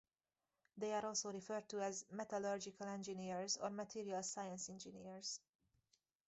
They are also referred to as metallurgical engineers or material science engineers.